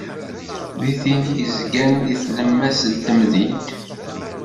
D tin i d-yezgan deg tlemmast n temdint.